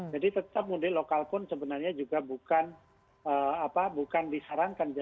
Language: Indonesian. jadi tetap mudik lokal pun sebenarnya juga bukan disarankan